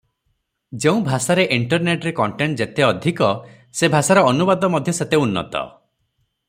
ଯେଉଁ ଭାଷାରେ ଇଣ୍ଟରନେଟରେ କଣ୍ଟେଣ୍ଟ ଯେତେ ଅଧିକ ସେ ଭାଷାର ଅନୁବାଦ ମଧ୍ୟ ସେତେ ଉନ୍ନତ ।